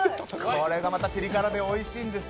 これがまたピリ辛でおいしんです